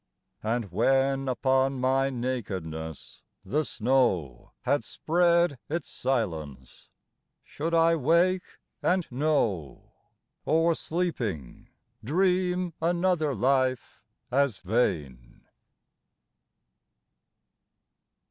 And when upon my nakedness the snow Had spread its silence, should I wake and know, Or sleeping, dream another life as vain